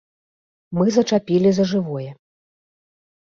Мы зачапілі за жывое.